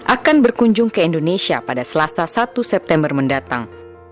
akan berkunjung ke indonesia pada selasa satu september mendatang